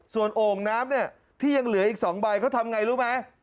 ส่วนโอ่งน้ำเนี่ยที่ยังเหลืออีก๒ใบเขาทำไงรู้ไหม